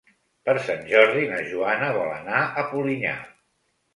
Per Sant Jordi na Joana vol anar a Polinyà.